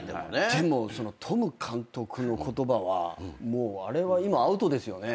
でもトム監督の言葉はもうあれは今アウトですよね？